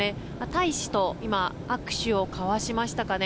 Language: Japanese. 大使と握手を交わしましたかね。